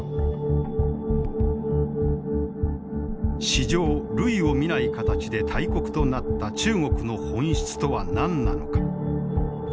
史上類を見ない形で大国となった中国の本質とは何なのか。